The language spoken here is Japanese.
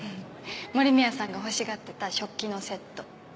森宮さんが欲しがってた食器のセット。